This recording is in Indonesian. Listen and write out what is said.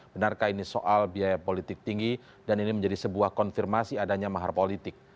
benarkah ini soal biaya politik tinggi dan ini menjadi sebuah konfirmasi adanya mahar politik